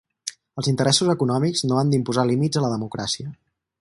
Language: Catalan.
Els interessos econòmics no han d'imposar límits a la democràcia.